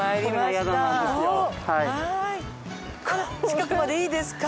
近くまでいいですか？